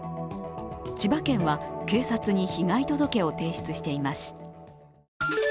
千葉県は警察に被害届を提出しています。